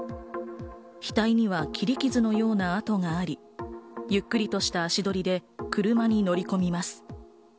額には切り傷のような痕があり、ゆっくりとした足取りで車に乗り込みます。